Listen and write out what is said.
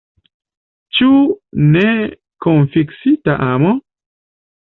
Ĉu nekonfesita amo?